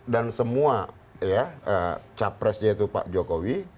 dan semua capresnya itu pak jokowi